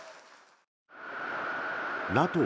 ＮＡＴＯ